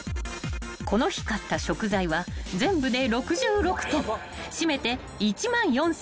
［この日買った食材は全部で］